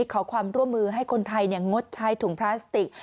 ขอความร่วมมือให้คนไทยงดใช้ถุงพลาสติก